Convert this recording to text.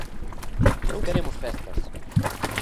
Non queremos festas.